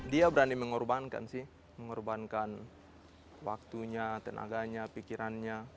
dia berani mengorbankan sih mengorbankan waktunya tenaganya pikirannya